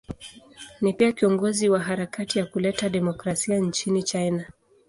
Ni pia kiongozi wa harakati ya kuleta demokrasia nchini China.